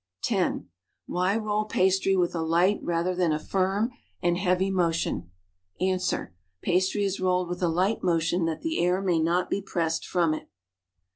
(See No. 3.) (10) Why roll pastry with a light rather than a firm and heavy motion.' Ans. Pastry is rolled with a light motion that the air may not be pressed from it.